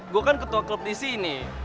gua kan ketua klub disini